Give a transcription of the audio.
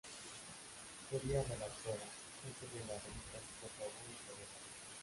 Sería redactora jefe de las revistas "Por Favor" y "Saber".